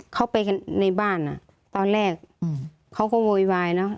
เข้าไปในบ้านตอนแรกเขาก็โวยวายนะ